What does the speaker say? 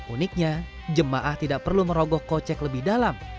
uniknya jemaah tidak perlu merogoh kocek lebih dalam